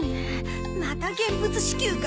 また現物支給か。